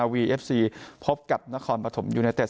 วีเอฟซีพบกับนครปฐมยูเนเต็